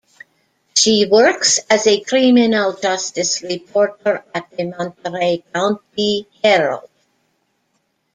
She works as a criminal justice reporter at The Monterey County Herald.